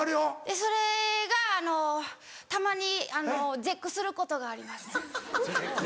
それがあのたまに絶句することがありますね。